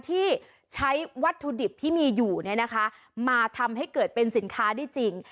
ที่ใช้วัตถุดิบที่มีอยู่มาทำให้เกิดเป็นสินค้าได้จริง